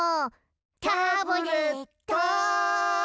タブレットン！